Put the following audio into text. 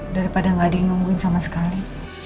daripada nggak ada yang nungguin sama sekali